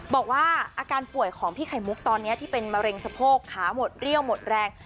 บอกว่าอาการป่วยของพี่ไข่มุกตอนนี้ที่เป็นมะเร็งสะโพกขาหมดเรี่ยวหมดแรง